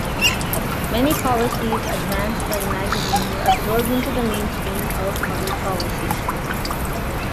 Many policies advanced by the magazine were absorbed into the mainstream of public policy.